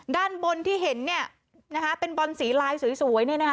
ด้านบนที่เห็นเนี่ยนะคะเป็นบอลสีลายสวยเนี่ยนะคะ